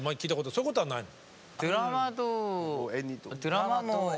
そういうことはないの？